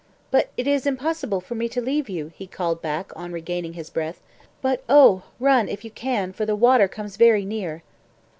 "But it is impossible for me to leave you," he called back on regaining his breath. "But, oh! run if you can, for the water comes very near."